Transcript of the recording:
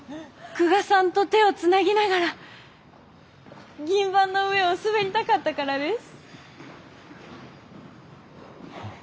久我さんと手をつなぎながら銀盤の上を滑りたかったからです。